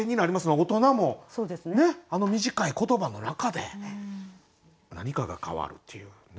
大人もねあの短い言葉の中で何かが変わるっていうね。